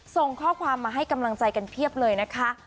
ส่งข้อความมาให้กำลังใจกันเพียบเลยนะคะ